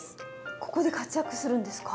ここで活躍するんですか？